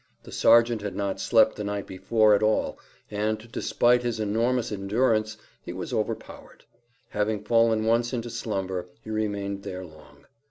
The sergeant had not slept the night before at all, and, despite his enormous endurance, he was overpowered. Having fallen once into slumber he remained there long.